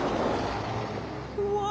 うわ！